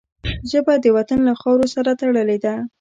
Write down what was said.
ژبه د وطن له خاورو سره تړلې ده